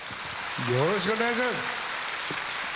よろしくお願いします。